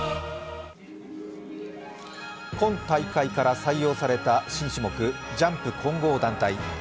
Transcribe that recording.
今大会から採用された新種目、ジャンプ混合団体。